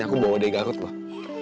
aku bawa dari garut lah